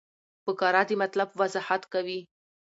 فقره د مطلب وضاحت کوي.